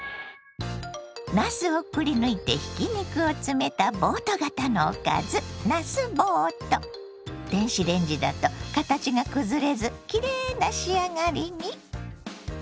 なすをくりぬいてひき肉を詰めたボート型のおかず電子レンジだと形が崩れずきれいな仕上がりに。